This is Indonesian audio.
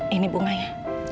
pak firman ini bunganya